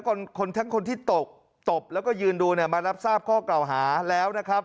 คนทั้งคนที่ตบแล้วก็ยืนดูมารับทราบข้อกล่าวหาแล้วนะครับ